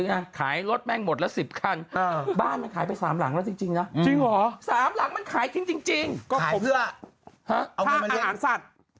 เอาเงินมาเลี้ยงนานสัตว์